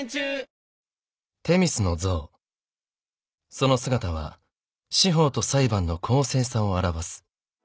その姿は司法と裁判の公正さを表す］